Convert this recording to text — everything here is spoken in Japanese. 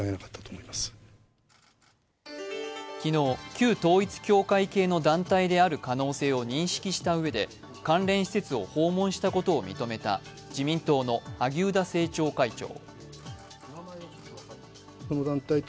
旧統一教会系の団体である可能性を認識したうえで関連施設を訪問したことを認めた自民党の萩生田政調会長。